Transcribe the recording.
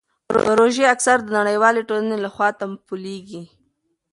پروژې اکثر د نړیوالې ټولنې لخوا تمویلیږي.